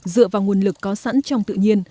dựa vào nguồn lực có sẵn trong tự nhiên